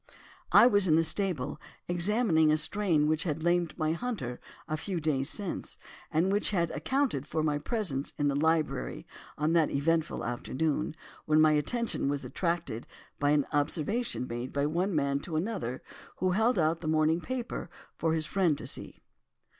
"I was in the stable examining a strain which had lamed my hunter a few days since, and which had accounted for my presence in the library on the eventful afternoon, when my attention was attracted by an observation made by one man to another who held out a morning paper for his friend to see.